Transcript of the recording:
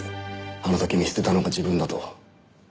あの時見捨てたのが自分だと。